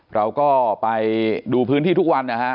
เราก็ไปดูพื้นที่ทุกวันนะฮะ